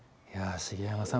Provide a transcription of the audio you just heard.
茂山さん